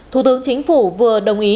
thủ tướng chính phủ vừa đồng ý